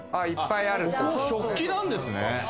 食器なんですね。